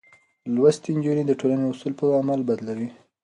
لوستې نجونې د ټولنې اصول په عمل بدلوي.